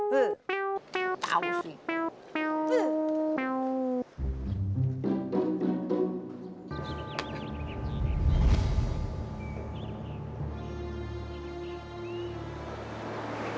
he tau sih